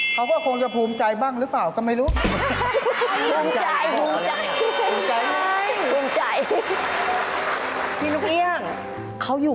เขาก็คงจะภูมิใจบ้างหรือเปล่าก็ไม่รู้